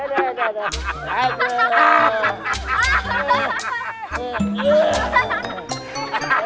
dan menang tetap untuk mengejar